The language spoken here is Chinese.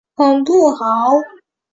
很不好！